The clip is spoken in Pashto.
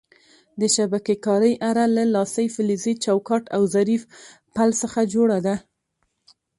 د شبکې کارۍ اره له لاسۍ، فلزي چوکاټ او ظریف پل څخه جوړه ده.